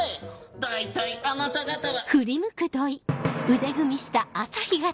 大体あなた方は。